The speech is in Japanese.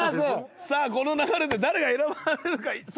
この流れで誰が選ばれるか。